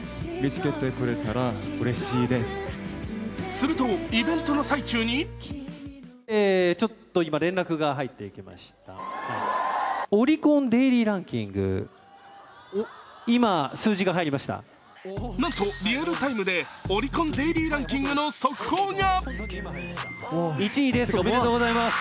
すと、イベントの最中になんとリアルタイムでオリコンデイリーランキングの速報が。